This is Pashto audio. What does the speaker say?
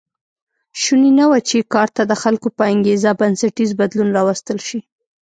شونې نه وه چې کار ته د خلکو په انګېزه بنسټیز بدلون راوستل شي